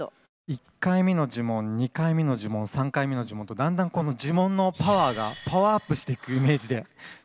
１回目の呪文２回目の呪文３回目の呪文とだんだんこの呪文のパワーがパワーアップしていくイメージで作ったので。